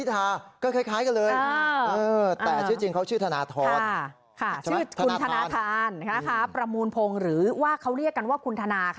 ตอนไปถามเขาบอกว่าชื่อทานาครับ